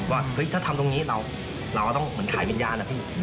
ว่าเฮ้ยถ้าทำตรงนี้เราก็ต้องเหมือนขายวิญญาณนะพี่